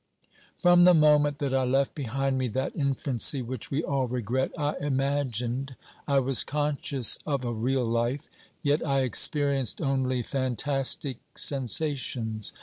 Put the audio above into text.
From the moment that I left behind me that infancy which we all regret, I imagined, I was conscious of a real life, yet I experienced only fantastic sensations.